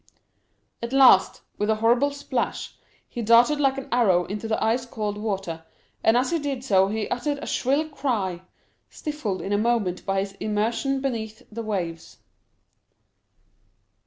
At last, with a horrible splash, he darted like an arrow into the ice cold water, and as he did so he uttered a shrill cry, stifled in a moment by his immersion beneath the waves.